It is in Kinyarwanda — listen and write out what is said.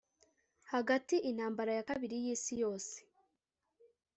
hagati intambara ya kabiri y'isi yose